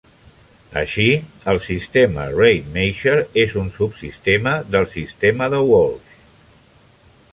Així, el sistema Rademacher és un subsistema del sistema de Walsh.